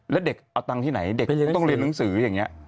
แล้วเด็กเอาตังค์ที่ไหนเด็กต้องเรียนหนังสืออย่างนี้